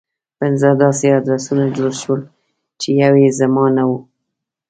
پنځه داسې ادرسونه جوړ شول چې يو يې زما نه و.